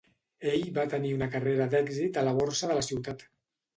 Ell va tenir una carrera d'èxit a la borsa de la ciutat.